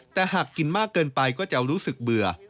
แต่หากกินมากเกินไปก็จะรู้สึกเบื่อ